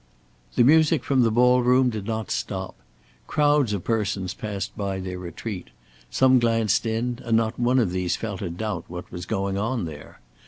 The music from the ball room did not stop. Crowds of persons passed by their retreat. Some glanced in, and not one of these felt a doubt what was going on there.